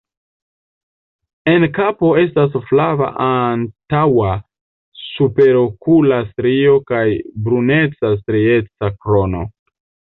En kapo estas flava antaŭa superokula strio kaj bruneca strieca krono.